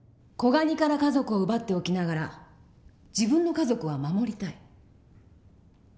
子ガニから家族を奪っておきながら自分の家族は守りたい。